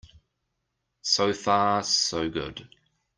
So far so good.